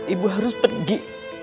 ibu harus pergi